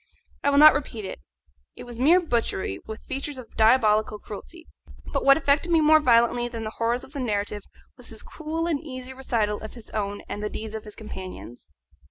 I will not repeat it; it was mere butchery, with features of diabolic cruelty; but what affected me more violently than the horrors of the narrative was his cool and easy recital of his own and the deeds of his companions.